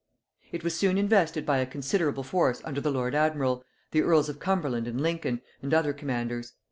It was soon invested by a considerable force under the lord admiral, the earls of Cumberland and Lincoln, and other commanders.